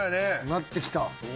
なってきた。